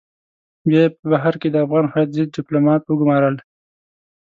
بيا يې په بهر کې د افغان هويت ضد ډيپلومات وگمارل.